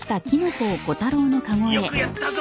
よくやったぞ。